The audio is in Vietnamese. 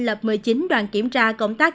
lập một mươi chín đoàn kiểm tra công tác